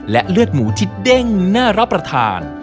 และเลือดหมูที่เด้งน่ารับประทาน